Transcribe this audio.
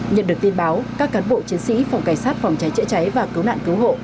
nhận được tin báo các cán bộ chiến sĩ phòng cảnh sát phòng trái trợ trái và cứu nạn cứu hộ